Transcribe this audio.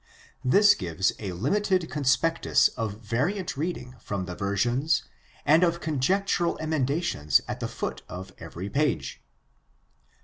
This gives a limited conspectus of variant reading from the versions and of conjectural emendations at the foot of every page.